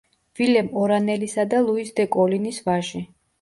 ვილემ ორანელისა და ლუიზ დე კოლინის ვაჟი.